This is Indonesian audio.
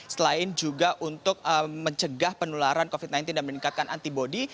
selain juga untuk mencegah penularan covid sembilan belas dan meningkatkan antibody